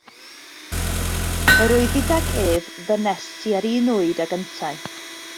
Yr oedd gydag ef ddynes tua'r un oed ag yntau.